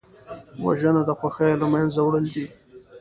وژنه د خوښیو له منځه وړل دي